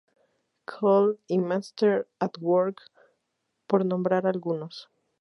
Cole y Masters At Work por nombrar algunos.